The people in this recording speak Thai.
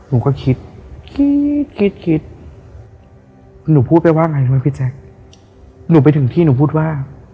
หนูก็คิดคิดคิดคิดคิดคิดหนูพูดไปว่าไงรู้ไหมพี่แจ๊คหนูไปถึงที่หนูพูดว่า